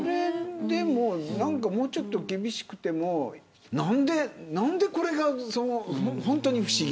でも、もうちょっと厳しくても何でこれが、本当に不思議。